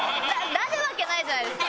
なるわけないじゃないですか。